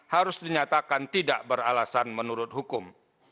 harus dinyatakan tidak beralasan menurut hukum